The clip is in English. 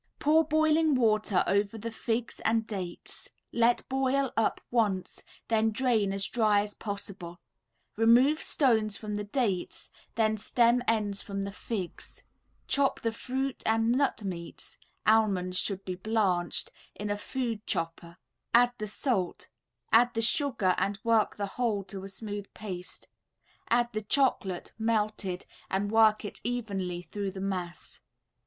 Pour boiling water over the figs and dates, let boil up once, then drain as dry as possible; remove stones from the dates, the stem ends from the figs; chop the fruit and nut meats (almonds should be blanched) in a food chopper; add the salt; and the sugar and work the whole to a smooth paste; add the chocolate, melted, and work it evenly through the mass.